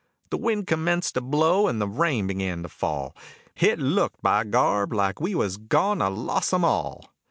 The wind commenced to blow, and the rain began to fall, Hit looked, by grab, like we was goin' to loss 'em all.